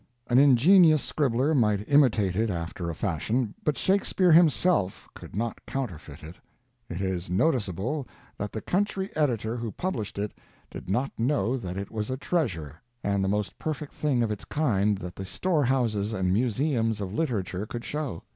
An ingenious scribbler might imitate it after a fashion, but Shakespeare himself could not counterfeit it. It is noticeable that the country editor who published it did not know that it was a treasure and the most perfect thing of its kind that the storehouses and museums of literature could show.